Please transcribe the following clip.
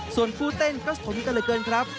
ส่วนผู้เต้นก็สนกันเหลือเกินครับ